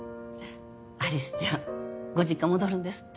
有栖ちゃんご実家戻るんですって？